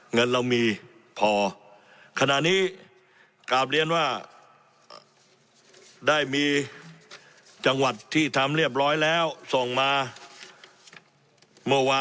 เงินเรามีพอขณะนี้กลับเรียนว่าได้มีจังหวัดที่ทำเรียบร้อยแล้วส่งมาเมื่อวาน